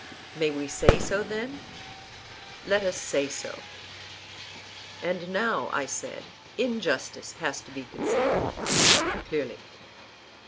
May we say so, then? Let us say so. And now, I said, injustice has to be considered. Clearly.